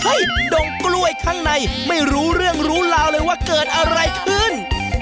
ดงกล้วยข้างในไม่รู้เรื่องรู้ราวเลยว่าเกิดอะไรขึ้น